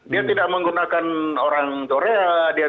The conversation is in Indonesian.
dia tidak menggunakan orang korea